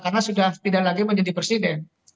karena sudah tidak lagi menjadi presiden